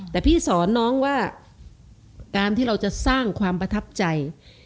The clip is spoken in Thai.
แต่พี่สอนน้องว่าการที่เราจะสร้างความประทับใจ